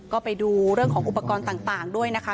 ก็ไปดูเรื่องของอุปกรณ์ต่างด้วยนะคะ